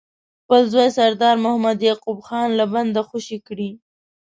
خپل زوی سردار محمد یعقوب خان له بنده خوشي کړي.